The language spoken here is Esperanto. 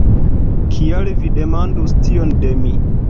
"Kial vi demandus tion de mi?